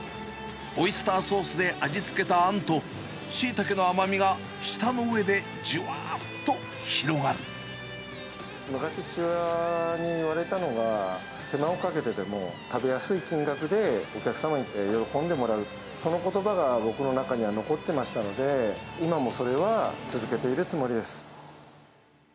オイスターソースで味付けたあんと、しいたけの甘みが舌の上でじ昔、父親に言われたのが、手間をかけてでも、食べやすい金額で、お客様に喜んでもらう、そのことばが僕の中には残ってましたので、今もそれは続けているつもりです。